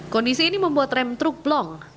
kondisi ini membuat rem truk blong